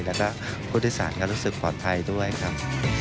แล้วก็ผู้โดยสารก็รู้สึกปลอดภัยด้วยครับ